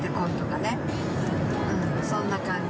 そんな感じ。